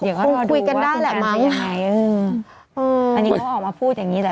อยากให้เขาคุยกันได้แหละมั้งแหละละเอ่ออุ้อันนี้เขาออกมาพูดอย่างนี้แหละ